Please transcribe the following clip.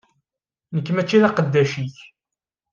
Nekk mačči d aqeddac-ik.